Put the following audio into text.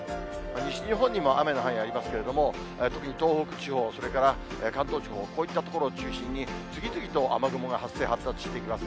西日本にも雨の範囲ありますけれども、特に東北地方、それから関東地方、こういった所を中心に、次々と雨雲が発生、発達していきます。